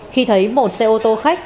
khi thấy một xe ô tô khách